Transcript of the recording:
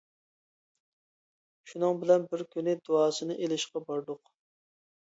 شۇنىڭ بىلەن بىر كۈنى دۇئاسىنى ئېلىشقا باردۇق.